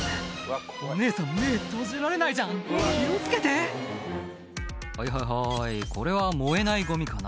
お姉さん目閉じられないじゃん気を付けて「はいはいはいこれは燃えないゴミかな」